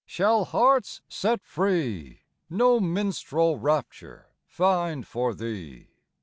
shall hearts set free No " minstrel rapture " find for thee